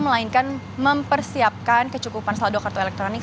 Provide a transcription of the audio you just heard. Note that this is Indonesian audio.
melainkan mempersiapkan kecukupan saldo kartu elektronik